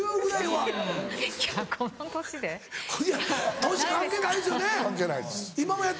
はい。